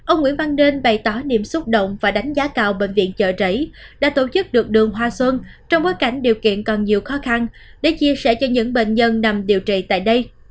ông nguyễn văn nên bày tỏ niềm xúc động và đánh giá cao bệnh viện chợ rẫy đã tổ chức được đường hoa xuân trong bối cảnh điều kiện còn nhiều khó khăn để chia sẻ cho những bệnh nhân nằm điều trị tại đây